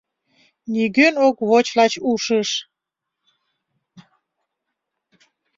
Нигӧн ок воч лач ушыш